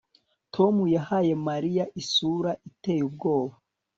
Tom yahaye Mariya isura iteye ubwoba